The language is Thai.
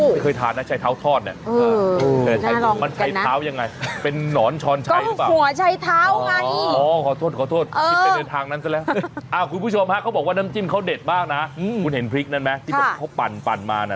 ไม่เคยทานไชเท้าทอดเนี่ยมันไชเท้ายังไงเป็นนอนชอนไชหรือเปล่าขอโทษคิดเป็นเดินทางนั้นซะแล้วคุณผู้ชมเขาบอกว่าน้ำจิ้นเค้าเด็ดมากนะคุณเห็นพริกนั้นไหมเค้าปันมานะ